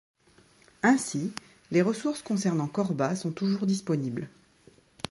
Ainsi, les ressources concernant Corba sont toujours disponibles.